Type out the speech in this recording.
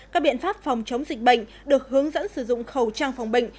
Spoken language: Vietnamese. các biện pháp phòng chống dịch bệnh được hướng dẫn sử dụng khẩu trang phòng bệnh